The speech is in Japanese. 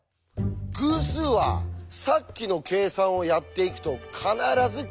偶数はさっきの計算をやっていくと必ず奇数になりますよね。